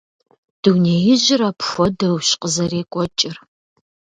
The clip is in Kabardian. Дунеижьыр апхуэдэущ къызэрекӀуэкӀыр.